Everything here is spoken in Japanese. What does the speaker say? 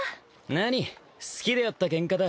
なに好きでやったケンカだ。